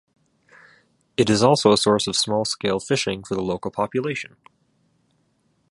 It is also a source of small-scale fishing for the local population.